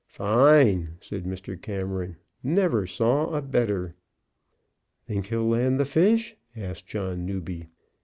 "Fine!" said Mr. Cameron. "Never saw a better." "Think he'll land the fish?" asked John Newby.